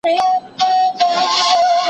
که وخت وي، لوبه کوم!؟